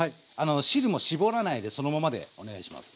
汁もしぼらないでそのままでお願いします。